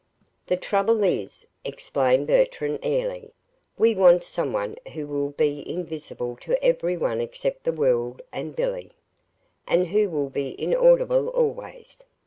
"The trouble is," explained Bertram, airily, "we want some one who will be invisible to every one except the world and Billy, and who will be inaudible always."